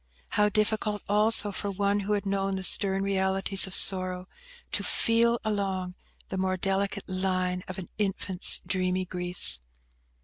How difficult also for one who had known the stern realities of sorrow, to "feel along" the more delicate "line" of an infant's dreamy griefs!